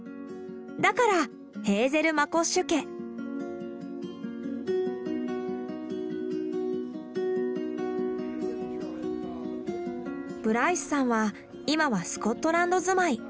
だからブライスさんは今はスコットランド住まい。